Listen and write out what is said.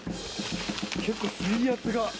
結構、水圧が！